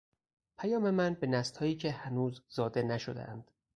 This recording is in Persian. پیام من به نسلهایی که هنوز زاده نشدهاند